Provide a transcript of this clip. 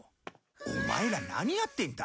オマエら何やってんだ？